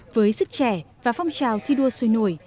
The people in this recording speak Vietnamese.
với sức trẻ và phong trào thi đua sôi nổi